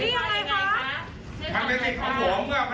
เอานะเอานะเล่นกันอย่างนี้นะ